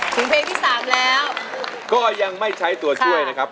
ถึงเพลงที่๓แล้วก็ยังไม่ใช้ตัวช่วยนะครับ